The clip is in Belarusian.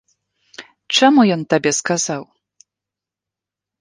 Чаму ён табе сказаў?